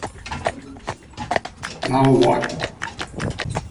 Now What?!